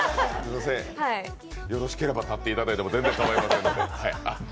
よろしければ立っていただいても全然構いませんので。